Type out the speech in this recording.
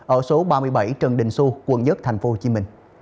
ở số ba mươi bảy trần đình xu quận một tp hcm